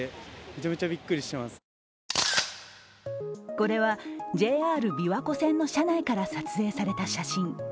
これはＪＲ琵琶湖線の車内から撮影された写真。